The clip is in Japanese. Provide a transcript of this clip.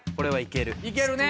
いけるね！